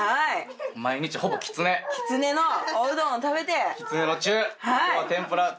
きつねのおうどんを食べて。